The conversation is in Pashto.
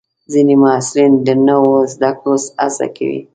ځینې محصلین د نوو زده کړو هڅه کوي.